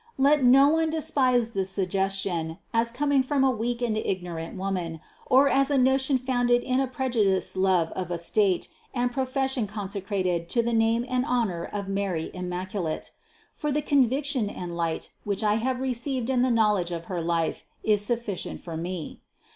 Let no one despise this suggestion as coming from a weak and ignorant woman, or as a notion founded in a prejudiced love of a state and profession consecrated to the name and honor of Mary immaculate ; for the conviction and light, which I have received in the knowledge of her life, is sufficient for me.